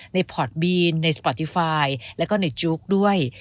ในพอร์ตบีนในสปอร์ติฟายแล้วก็ในจุ๊กด้วย